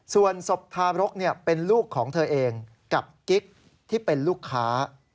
ส่วนศพทารกเป็นลูกของเธอเองกับกิ๊กที่เป็นลูกค้า